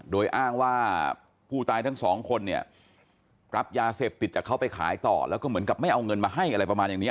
โดยอ้างว่าผู้ตายทั้งสองคนเนี่ยรับยาเสพติดจากเขาไปขายต่อแล้วก็เหมือนกับไม่เอาเงินมาให้อะไรประมาณอย่างนี้